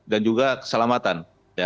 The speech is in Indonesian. dan juga keselamatan